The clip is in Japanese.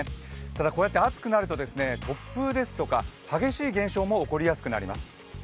ただこうやって暑くなると突風ですとか激しい現象も起こりやすくなります。